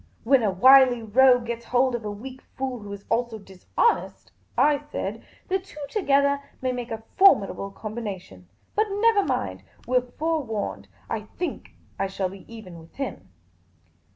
" When a wily rogue gets hold of a weak fool, who is also dishonest," I said, " the two together may make a formid able combination. But never mind. We 're forewarned. I think I shall be even with him."